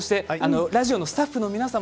ラジオのスタッフの皆さん